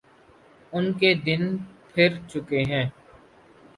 ان کے دن پھر چکے ہیں۔